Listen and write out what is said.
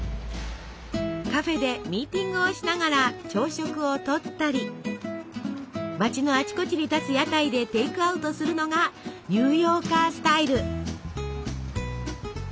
カフェでミーティングをしながら朝食をとったり街のあちこちに立つ屋台でテイクアウトするのがニューヨーカースタイル。